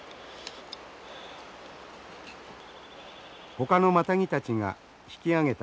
ほかのマタギたちが引き揚げた